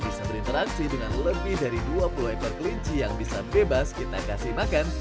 bisa berinteraksi dengan lebih dari dua puluh ekor kelinci yang bisa bebas kita kasih makan